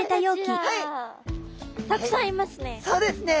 たくさんいますね。